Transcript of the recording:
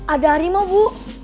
ada harimau bu